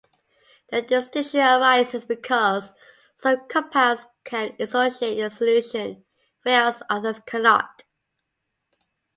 The distinction arises because some compounds can dissociate in solution, whereas others cannot.